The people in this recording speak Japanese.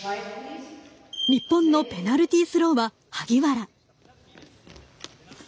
日本のペナルティースローは萩原。